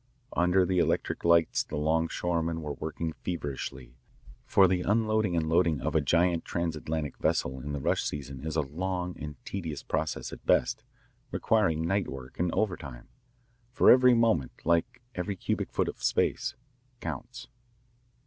Under the electric lights the longshoremen were working feverishly, for the unloading and loading of a giant transAtlantic vessel in the rush season is a long and tedious process at best, requiring night work and overtime, for every moment, like every cubic foot of space, counts.